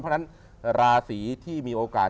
เพราะฉะนั้นราศีที่มีโอกาส